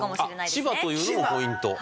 千葉というのもポイント。